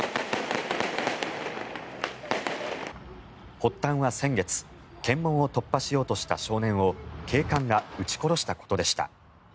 発端は先月検問を突破しようとした少年を警官が撃ち殺したことでした。